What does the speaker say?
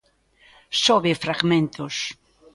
Só ve fragmentos.